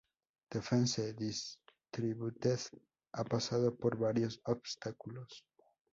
Defense Distributed ha pasado por varios obstáculos.